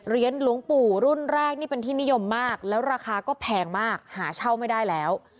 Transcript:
หลวงปู่รุ่นแรกนี่เป็นที่นิยมมากแล้วราคาก็แพงมากหาเช่าไม่ได้แล้ว